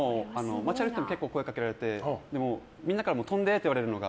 街を歩いてても結構、声をかけられてでもみんなから跳んでと言われるのが。